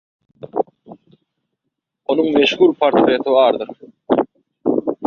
Onuň meşhur portreti bardyr.